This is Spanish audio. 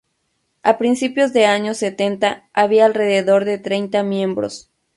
A principios de años setenta, había alrededor de treinta miembros.